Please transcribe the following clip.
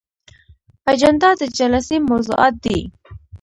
اجنډا د جلسې موضوعات دي